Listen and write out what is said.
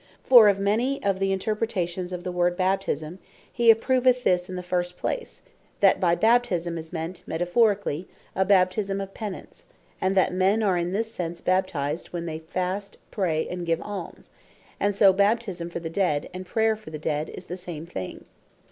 For of many interpretations of the word Baptisme, he approveth this in the first place, that by Baptisme is meant (metaphorically) a Baptisme of Penance; and that men are in this sense Baptized, when they Fast, and Pray, and give Almes: And so Baptisme for the Dead, and Prayer of the Dead, is the same thing.